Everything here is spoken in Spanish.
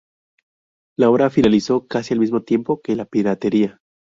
La obra finalizó casi al mismo tiempo que la piratería.